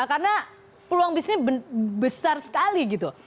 karena peluang bisnis besar sekali gitu